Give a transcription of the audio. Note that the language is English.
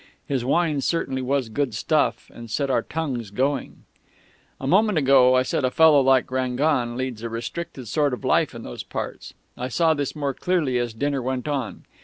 His wine certainly was good stuff, and set our tongues going.... "A moment ago I said a fellow like Rangon leads a restricted sort of life in those parts. I saw this more clearly as dinner went on.